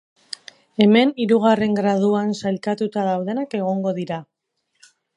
Hemen, hirugarren graduan sailkatuta daudenak egongo dira.